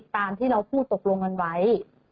ตามที่เราพูดตกลงกันไว้